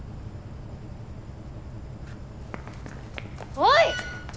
おい！